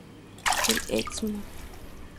El Excmo.